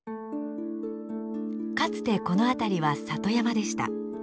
かつてこの辺りは里山でした。